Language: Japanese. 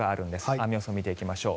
雨予想を見ていきましょう。